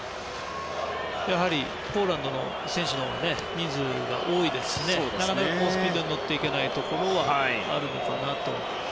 やはり、ポーランドの選手は人数が多いですしなかなかスピードに乗れないところはあるのかなと。